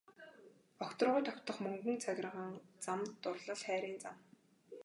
Огторгуйд тогтох мөнгөн цагирган зам дурлал хайрын зам.